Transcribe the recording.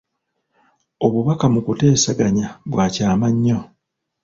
Obubaka mu kuteesaganya bwa kyama nnyo.